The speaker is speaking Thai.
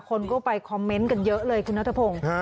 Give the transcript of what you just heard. คนก็ไปคอมเมนต์กันเยอะเลยคุณนัทพงศ์